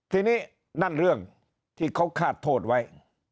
ทีนี้นั่นเรื่องที่เขาคาดโทษไว้